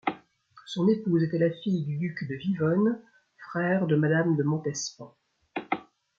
Son épouse était la fille du duc de Vivonne, frère de Madame de Montespan.